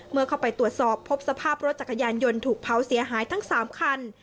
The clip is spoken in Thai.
เมื่อเข้าไปตรวจสอบพบสภาพรถจักรยานยนต์ถูกเผาเสียหายทั้ง๓คัน